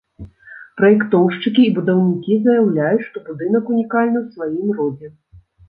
Праектоўшчыкі і будаўнікі заяўляюць, што будынак унікальны ў сваім родзе.